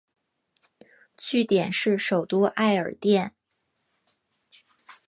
据点是首都艾尔甸。